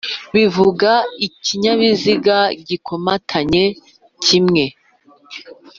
bivuga ikinyabiziga gikomatanye kimwe